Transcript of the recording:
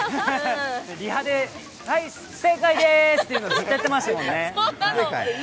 リハでナイス、正解ですっていうのずっとやってましたもんね。